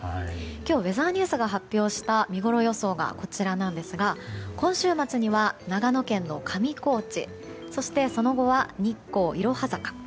今日ウェザーニュースが発表した見ごろ予想が、こちらなんですが今週末には長野県の上高地そして、その後は日光いろは坂。